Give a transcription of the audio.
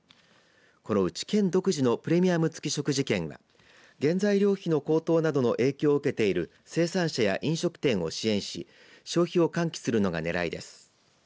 このうち県独自のプレミアム付き食事券は原材料費の高騰などの影響を受けている生産者や飲食店を支援し消費を喚起するのがねらいです。